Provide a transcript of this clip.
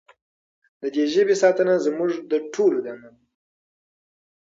د دې ژبې ساتنه زموږ ټولو دنده ده.